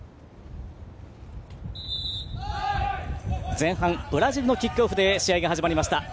前半、ブラジルのキックオフで試合が始まりました。